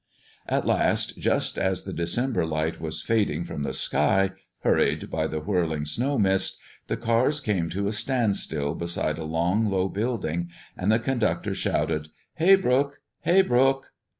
At last, just as the December light was fading from the sky, hurried by the whirling snow mist, the cars came to a standstill beside a long, low building, and the conductor shouted, "Haybrook! Haybrook!"